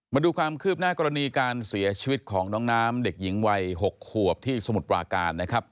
มาดูความคืบหน้ากรณีการเสียชีวิตของน้องน้ำเด็กหญิงวัย๖ขวบที่สมุทรปราการนะครับ